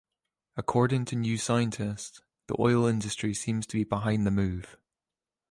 According to "New Scientist", "The oil industry seems to be behind the move.